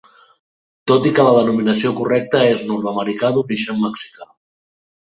Tot i que la denominació correcta és nord-americà d'origen mexicà.